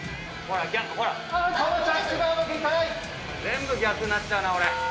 全部逆になっちゃうな俺。